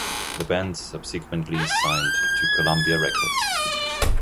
The band subsequently signed to Columbia Records.